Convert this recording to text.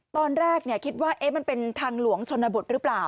ตอนแรกคิดว่ามันเป็นทางหลวงชนบทหรือเปล่า